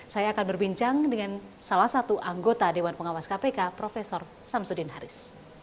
saya akan berbincang dengan salah satu anggota dewan pengawas kpk prof samsudin haris